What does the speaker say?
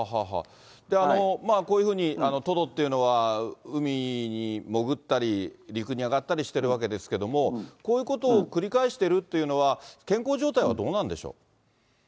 こういうふうにトドっていうのは、海に潜ったり、陸に上がったりしてるわけですけれども、こういうことを繰り返してるっていうのは、健康状態はどうなんでしょう？